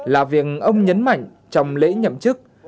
là việc ông nhấn mạnh trong lễ nhậm chức